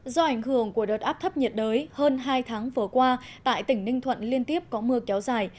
do ảnh hưởng của đợt áp thấp nhiệt đới hơn hai tháng vừa qua tại tỉnh ninh thuận liên tiếp có mưa kéo dài